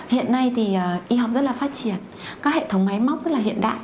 giờ này thì y học rất là phát triển các hệ thống máy móc rất là hiện đại